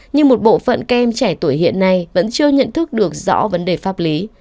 nhưng một bộ phận kem trẻ tuổi hiện nay vẫn chưa nhận thức được rõ vấn đề pháp lý